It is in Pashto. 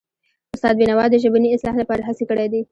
استاد بینوا د ژبني اصلاح لپاره هڅې کړی دي.